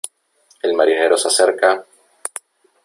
el marinero se acerca :